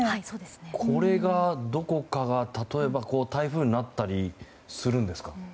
これがどこかで例えば台風になったりするんですか？